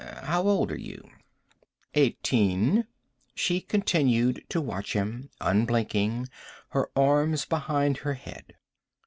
How old are you?" "Eighteen." She continued to watch him, unblinking, her arms behind her head.